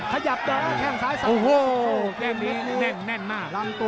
ขยับเดินแข้งซ้ายซ้ายโอ้โหแก้งนี้แน่นมาก